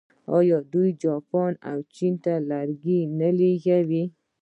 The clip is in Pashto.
آیا دوی جاپان او چین ته لرګي نه لیږي؟